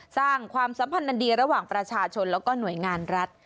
ความสัมพันธ์อันดีระหว่างประชาชนแล้วก็หน่วยงานรัฐ